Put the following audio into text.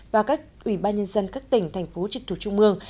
và các ủy ban nhân dân các tỉnh thành phố trực thuộc trung mương